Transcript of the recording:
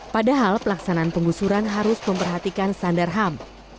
padahal pelaksanaan penggusuran harus memperhatikan standar ham